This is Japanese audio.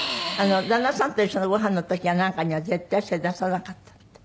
旦那さんと一緒のごはんの時やなんかには絶対それ出さなかったって。